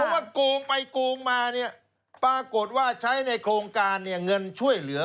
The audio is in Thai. พอว่ากกูงไปกูงมาปรากฎว่าใช้ในโครงการเงินช่วยเหลือ